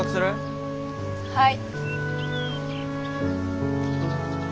はい。